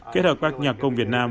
kết hợp các nhạc công việt nam